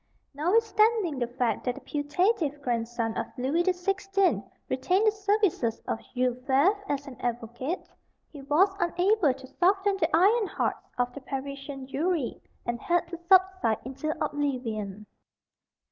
Notwithstanding the fact that the putative "grandson" of Louis the Sixteenth retained the services of Jules Favre as an advocate, he was unable to soften the iron hearts of the Parisian jury, and had to subside into oblivion.